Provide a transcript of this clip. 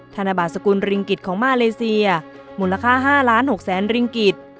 ธนบาทสกุลริงกิจของมาเลเซียมูลค่า๕๖๐๐๐ริงกิจ